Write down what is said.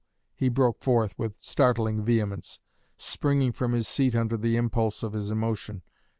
he broke forth, with startling vehemence, springing from his seat under the impulse of his emotion.